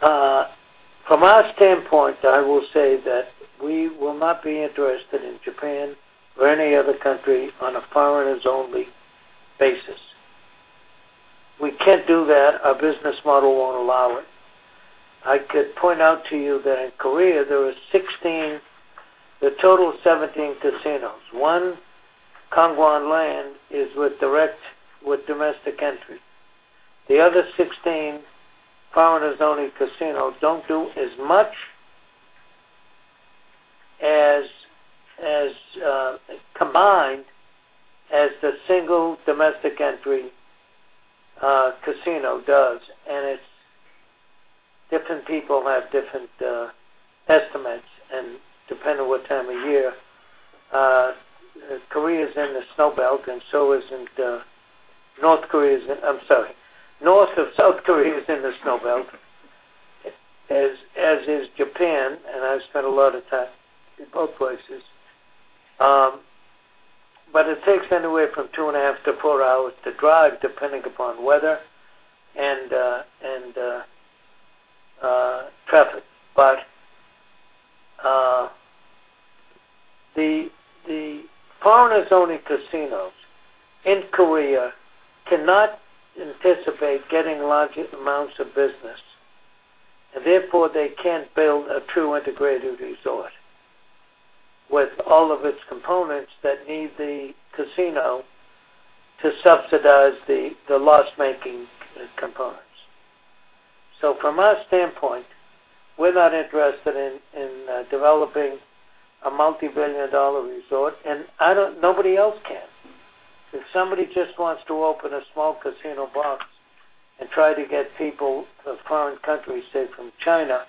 From our standpoint, I will say that we will not be interested in Japan or any other country on a foreigners-only basis. We can't do that. Our business model won't allow it. I could point out to you that in Korea, there are a total of 17 casinos. One, Kangwon Land, is with domestic entry. The other 16 foreigners-only casinos don't do as much combined as the single domestic entry casino does. Different people have different estimates, and depending on what time of year. North of South Korea is in the snow belt, as is Japan, and I've spent a lot of time in both places. It takes anywhere from two and a half to four hours to drive, depending upon weather and traffic. The foreigners-only casinos in Korea cannot anticipate getting large amounts of business, and therefore, they can't build a true integrated resort with all of its components that need the casino to subsidize the loss-making components. From our standpoint, we're not interested in developing a multibillion-dollar resort, and nobody else can. If somebody just wants to open a small casino box and try to get people of foreign countries, say from China,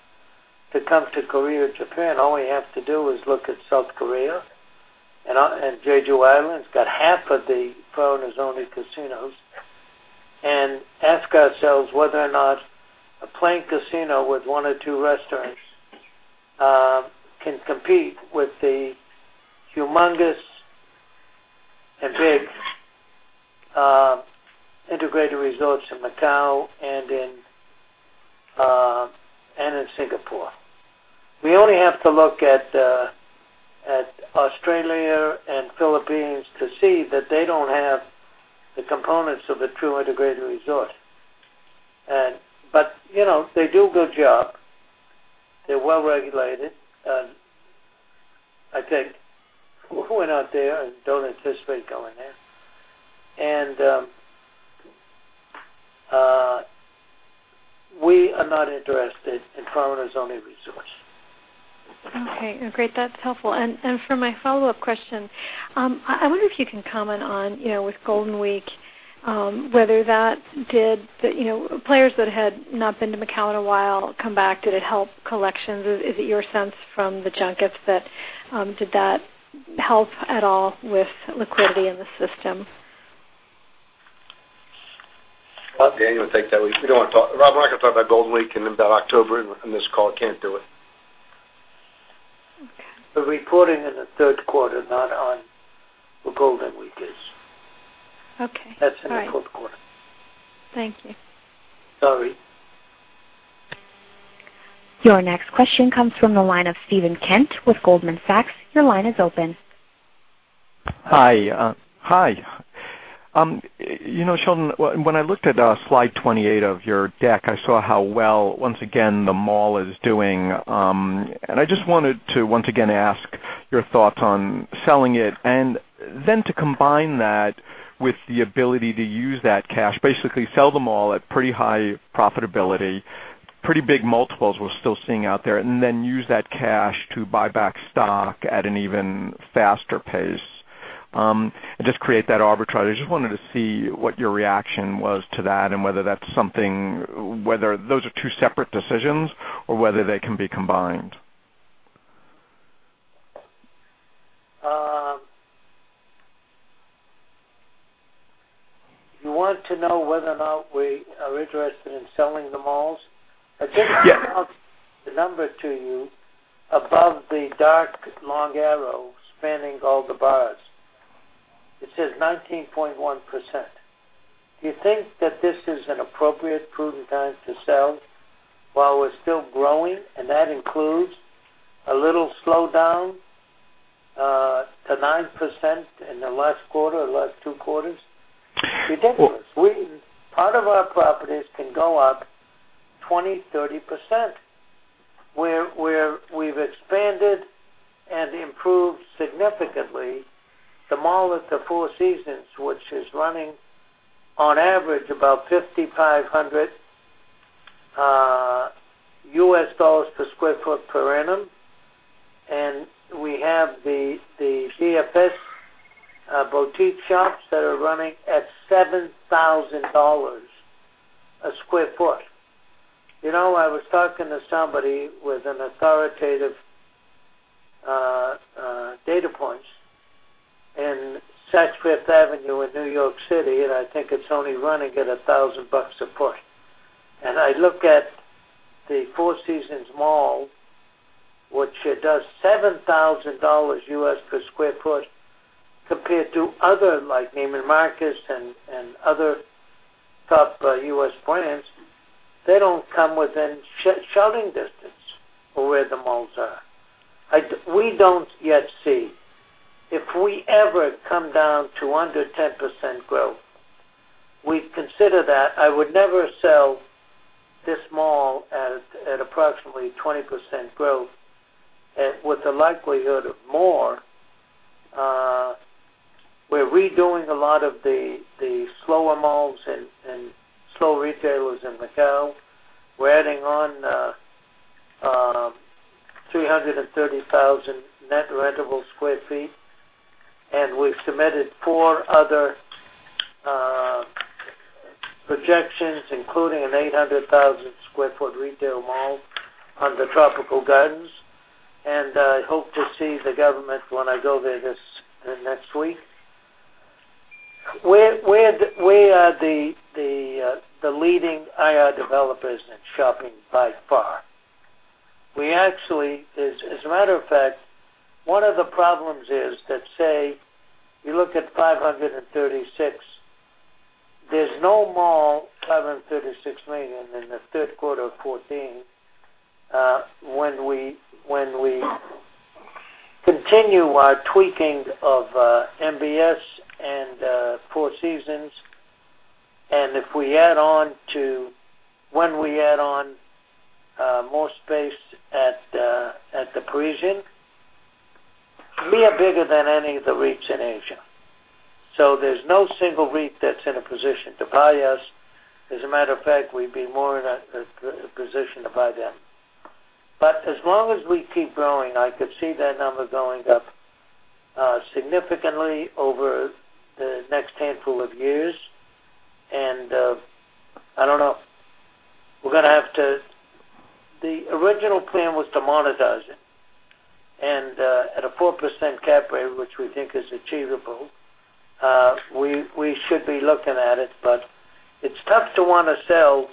to come to Korea or Japan, all we have to do is look at South Korea and Jeju Island. It's got half of the foreigners-only casinos, and ask ourselves whether or not a plain casino with one or two restaurants can compete with the humongous and big integrated resorts in Macau and in Singapore. We only have to look at Australia and Philippines to see that they don't have the components of a true integrated resort. They do a good job. They're well-regulated, and I think we're not there and don't anticipate going there. We are not interested in foreigners-only resorts. Okay. Great. That's helpful. For my follow-up question, I wonder if you can comment on, with Golden Week, whether players that had not been to Macau in a while come back, did it help collections? Is it your sense from the junkets that, did that help at all with liquidity in the system? I'll let Daniel take that. Rob, I'm not going to talk about Golden Week and about October on this call, can't do it. We're reporting in the third quarter, not on what Golden Week is. Okay. All right. That's in the fourth quarter. Thank you. Sorry. Your next question comes from the line of Steven Kent with Goldman Sachs. Your line is open. Hi. Sheldon, when I looked at slide 28 of your deck, I saw how well, once again, the mall is doing. I just wanted to once again ask your thoughts on selling it, to combine that with the ability to use that cash, basically sell the mall at pretty high profitability, pretty big multiples we're still seeing out there, use that cash to buy back stock at an even faster pace. Just create that arbitrage. I just wanted to see what your reaction was to that and whether those are two separate decisions or whether they can be combined. You want to know whether or not we are interested in selling the malls? Yes. I just pointed out the number to you above the dark long arrow spanning all the bars. It says 19.1%. Do you think that this is an appropriate prudent time to sell while we're still growing, and that includes a little slowdown to 9% in the last quarter or last two quarters? Ridiculous. Part of our properties can go up 20, 30%, where we've expanded and improved significantly the mall at the Four Seasons, which is running on average, about $5,500 per square foot per annum. We have the DFS boutique shops that are running at $7,000 a square foot. I was talking to somebody with an authoritative data points in Saks Fifth Avenue in New York City, and I think it's only running at $1,000 a foot. I look at the Four Seasons mall, which does $7,000/sq ft compared to other, like Neiman Marcus and other top U.S. brands. They don't come within shouting distance of where the malls are. We don't yet see. If we ever come down to under 10% growth, we'd consider that. I would never sell this mall at approximately 20% growth, with the likelihood of more. We're redoing a lot of the slower malls and slow retailers in Macau. We're adding on 330,000 net rentable square feet. We've submitted four other projections, including an 800,000 square foot retail mall on the tropical gardens. I hope to see the government when I go there next week. We are the leading IR developers in shopping by far. As a matter of fact, one of the problems is that, say, you look at $536 million. There's no mall, $536 million in the third quarter of 2014. When we continue our tweaking of MBS and Four Seasons, when we add on more space at The Parisian, we are bigger than any of the REITs in Asia. There's no single REIT that's in a position to buy us. As a matter of fact, we'd be more in a position to buy them. As long as we keep growing, I could see that number going up significantly over the next handful of years. I don't know. The original plan was to monetize it. At a 4% cap rate, which we think is achievable, we should be looking at it, but it's tough to want to sell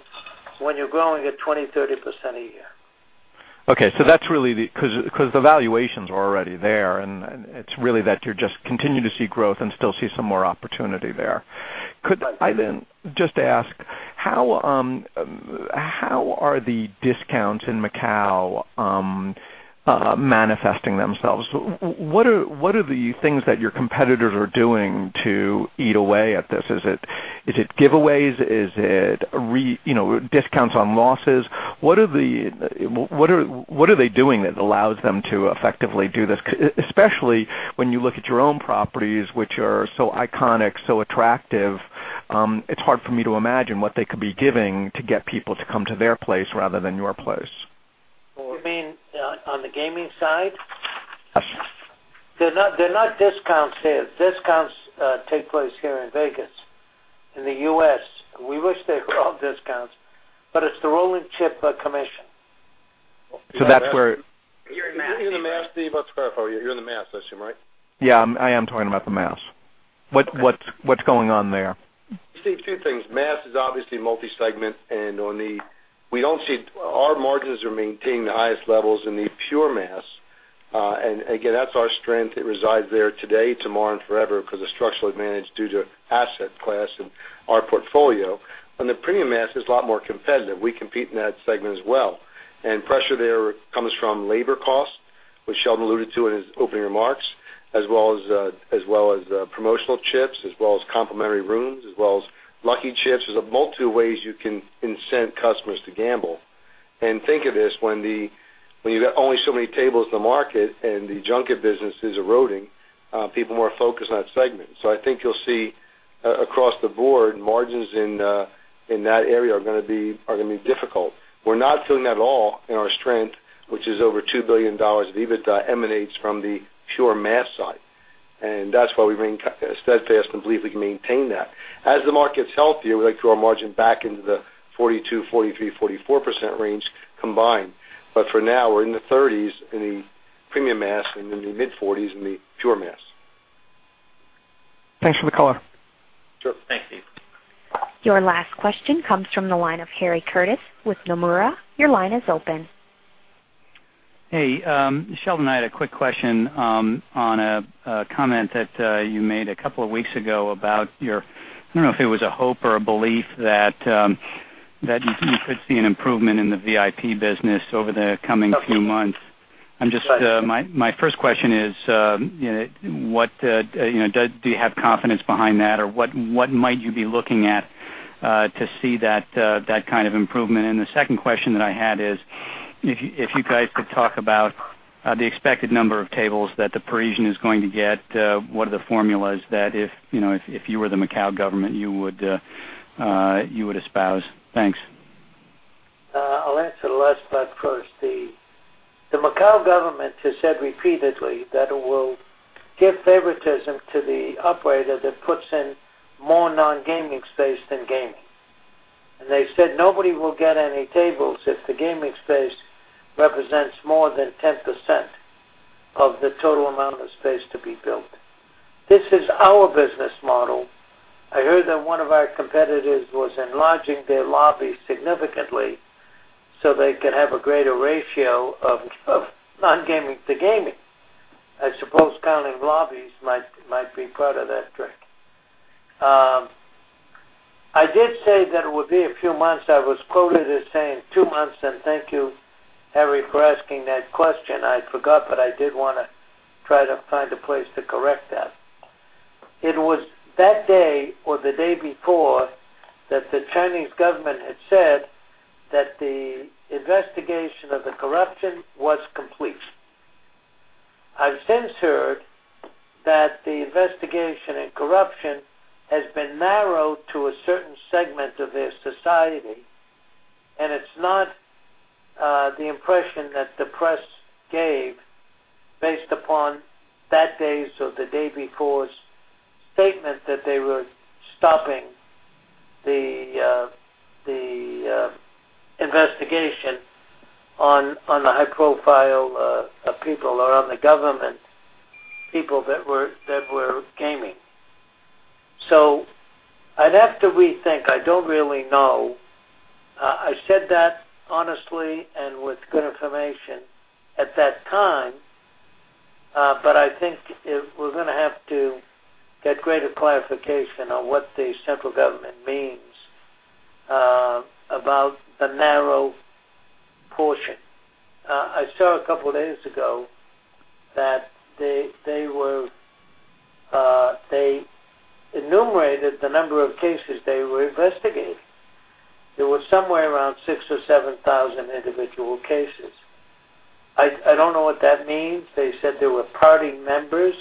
when you're growing at 20, 30% a year. Okay. The valuations are already there. It's really that you just continue to see growth and still see some more opportunity there. Could I then just ask, how are the discounts in Macau manifesting themselves? What are the things that your competitors are doing to eat away at this? Is it giveaways? Is it discounts on losses? What are they doing that allows them to effectively do this, especially when you look at your own properties, which are so iconic, so attractive, it's hard for me to imagine what they could be giving to get people to come to their place rather than your place. You mean on the gaming side? Yes. They're not discounts here. Discounts take place here in Vegas. In the U.S., we wish there were discounts, but it's the rolling chip commission. That's where. You're in mass. You're in the mass, Steve. I'll clarify for you. You're in the mass, I assume, right? Yeah, I am talking about the mass. What's going on there? Steve, two things. Mass is obviously multi-segment. Our margins are maintaining the highest levels in the pure mass. Again, that's our strength. It resides there today, tomorrow, and forever because of structural advantage due to asset class and our portfolio. On the premium mass, it's a lot more competitive. We compete in that segment as well. Pressure there comes from labor costs, which Sheldon alluded to in his opening remarks, as well as promotional chips, as well as complimentary rooms, as well as lucky chips. There's multiple ways you can incent customers to gamble. Think of this, when you've got only so many tables in the market and the junket business is eroding, people are more focused on that segment. I think you'll see, across the board, margins in that area are going to be difficult. We're not feeling that at all in our strength, which is over $2 billion of EBITDA emanates from the pure mass side. That's why we remain steadfast and believe we can maintain that. As the market's healthier, we'd like to grow our margin back into the 42%, 43%, 44% range combined. For now, we're in the 30s in the premium mass and in the mid-40s in the pure mass. Thanks for the color. Sure. Thanks, Steve. Your last question comes from the line of Harry Curtis with Nomura. Your line is open. Hey, Sheldon, I had a quick question on a comment that you made a couple of weeks ago about your, I don't know if it was a hope or a belief that you could see an improvement in the VIP business over the coming few months. My first question is, do you have confidence behind that, or what might you be looking at to see that kind of improvement? The second question that I had is, if you guys could talk about the expected number of tables that the Parisian is going to get. What are the formulas that if you were the Macau government, you would espouse? Thanks. I'll answer the last part first. The Macau government has said repeatedly that it will give favoritism to the operator that puts in more non-gaming space than gaming. They said nobody will get any tables if the gaming space represents more than 10% of the total amount of space to be built. This is our business model. I heard that one of our competitors was enlarging their lobby significantly so they can have a greater ratio of non-gaming to gaming. I suppose counting lobbies might be part of that trick. I did say that it would be a few months. I was quoted as saying two months, and thank you, Harry, for asking that question. I forgot, but I did want to try to find a place to correct that. It was that day or the day before that the Chinese government had said that the investigation of the corruption was complete. I've since heard that the investigation and corruption has been narrowed to a certain segment of their society, and it's not the impression that the press gave based upon that day's or the day before's statement that they were stopping the investigation on the high profile of people or on the government people that were gaming. I'd have to rethink. I don't really know. I said that honestly and with good information at that time, but I think we're going to have to get greater clarification on what the central government means about the narrow portion. I saw a couple of days ago that they enumerated the number of cases they were investigating. There were somewhere around six or seven thousand individual cases. I don't know what that means. They said there were party members,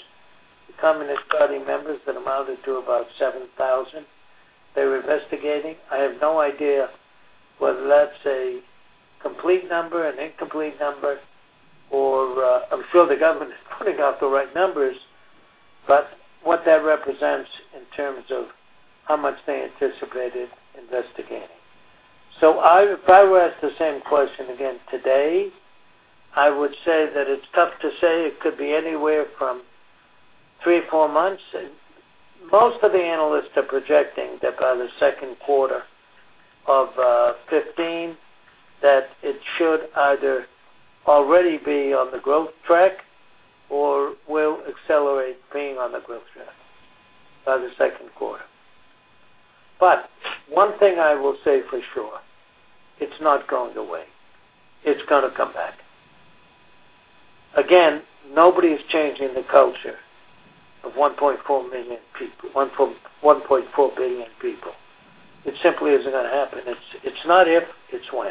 the Communist Party members, that amounted to about 7,000. They were investigating. I have no idea whether that's a complete number, an incomplete number, or I'm sure the government is putting out the right numbers, but what that represents in terms of how much they anticipated investigating. If I were asked the same question again today, I would say that it's tough to say. It could be anywhere from three, four months. Most of the analysts are projecting that by the second quarter of 2015, that it should either already be on the growth track or will accelerate being on the growth track by the second quarter. One thing I will say for sure, it's not going away. It's going to come back. Again, nobody's changing the culture of 1.4 billion people. It simply isn't going to happen. It's not if, it's when.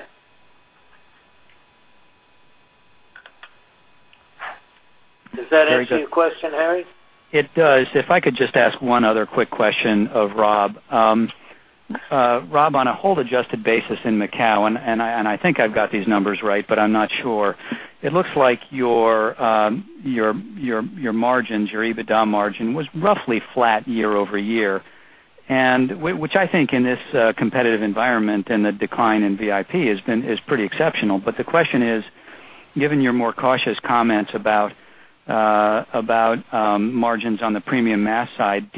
Does that answer your question, Harry? It does. If I could just ask one other quick question of Rob. Rob, on a hold-normalized adjusted basis in Macau, and I think I've got these numbers right, but I'm not sure. It looks like your margins, your EBITDA margin, was roughly flat year-over-year. Which I think in this competitive environment and the decline in VIP is pretty exceptional. The question is, given your more cautious comments about margins on the premium mass side,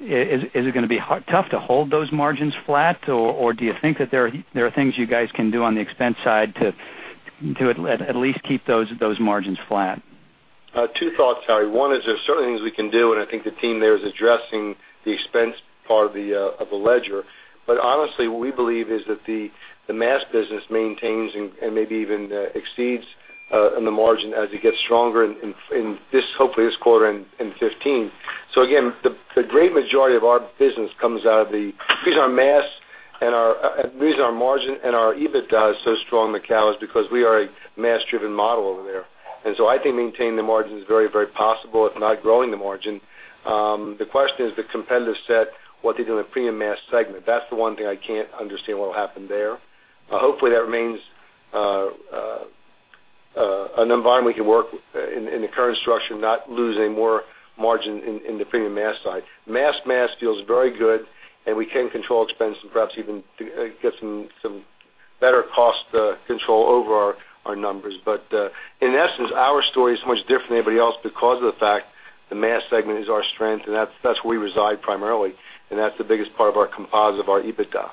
is it going to be tough to hold those margins flat, or do you think that there are things you guys can do on the expense side to at least keep those margins flat? Two thoughts, Harry. One is there's certain things we can do, and I think the team there is addressing the expense part of the ledger. Honestly, what we believe is that the mass business maintains and maybe even exceeds on the margin as it gets stronger in hopefully this quarter and 2015. Again, the great majority of our business comes out of the reason our margin and our EBITDA is so strong in Macau is because we are a mass-driven model over there. I think maintaining the margin is very possible, if not growing the margin. The question is the competitive set, what they do in the premium mass segment. That's the one thing I can't understand what will happen there. Hopefully, that remains an environment we can work in the current structure, not losing more margin in the premium mass side. Mass feels very good, we can control expense and perhaps even get some better cost control over our numbers. In essence, our story is much different than anybody else because of the fact the mass segment is our strength, and that's where we reside primarily, and that's the biggest part of our composite of our EBITDA.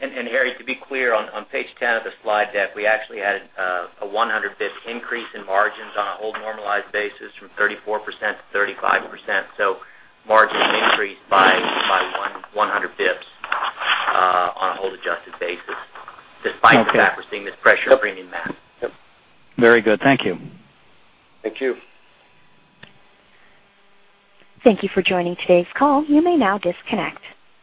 Harry, to be clear, on page 10 of the slide deck, we actually had a 100 basis points increase in margins on a hold-normalized basis from 34%-35%. Margins increased by 100 basis points on a hold-normalized adjusted basis, despite the fact we're seeing this pressure in Premium Mass. Yep. Very good. Thank you. Thank you. Thank you for joining today's call. You may now disconnect.